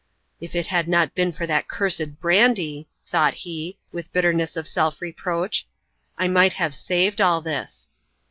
"If it had not been for that cursed brandy," thought he, with bitterness of self reproach, "I might have saved all this."